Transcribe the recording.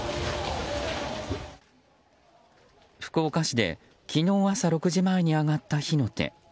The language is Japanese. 福岡市で昨日朝６時前に上がった火の手。